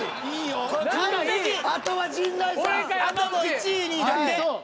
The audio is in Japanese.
［いいよ］